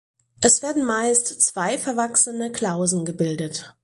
Es werden meist zwei verwachsene Klausen gebildet.